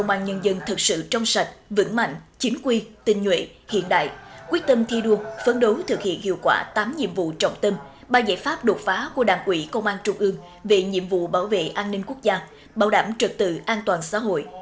công an tỉnh bình thuận đã tạo ra một cuộc sự trong sạch vững mạnh chính quy tình nguyện hiện đại quyết tâm thi đua phấn đối thực hiện hiệu quả tám nhiệm vụ trọng tâm ba giải pháp đột phá của đảng quỹ công an trung ương về nhiệm vụ bảo vệ an ninh quốc gia bảo đảm trật tự an toàn xã hội